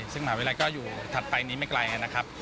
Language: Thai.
ซึ่งมหาวิทยาลัยก็อยู่ถัดไปนี้ไม่ไกลนะครับ